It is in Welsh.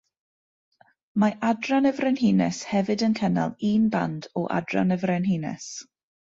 Mae Adran y Frenhines hefyd yn cynnal un band o Adran y Frenhines.